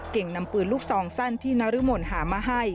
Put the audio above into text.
นำปืนลูกซองสั้นที่นรมนหามาให้